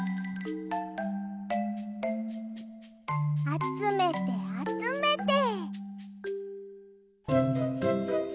あつめてあつめて！